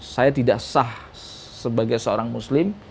saya tidak sah sebagai seorang muslim